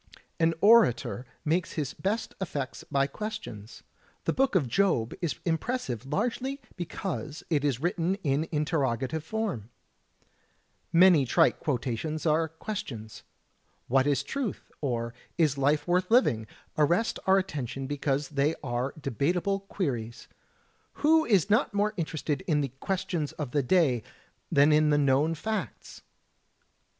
An orator makes his best effects by questions. The Book of Job is impressive largely because it is written in interroga tive form. Many trite quotations are questions. "What is truth?" or "Is life worth living?" arrest our attention because they are debatable queries. Who is not more interested in the Questions of the Day than in the known facts?